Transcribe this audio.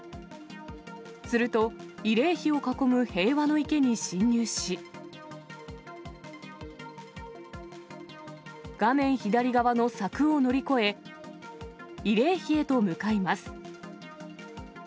すると、慰霊碑を囲む平和の池に侵入し、画面左側の柵を乗り越え、慰霊碑へと向かいます。